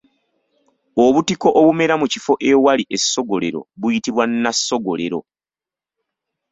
Obutiko obumera mu kifo ewali essogolero buyitibwa nnassogolero.